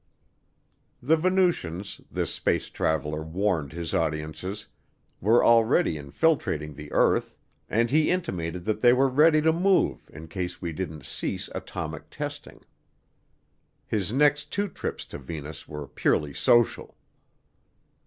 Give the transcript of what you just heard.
The Venusians, this space traveler warned his audiences, were already infiltrating the earth and he intimated that they were ready to move in case we didn't cease atomic testing. His next two trips to Venus were purely social.